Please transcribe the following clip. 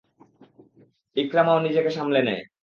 ইকরামাও নিজেকে সামলে নেয়।